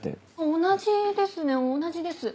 同じですね同じです。